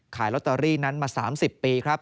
ขายลอตเตอรี่นั้นมา๓๐ปีครับ